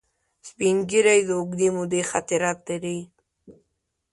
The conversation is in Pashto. سپین ږیری د اوږدې مودې خاطرات لري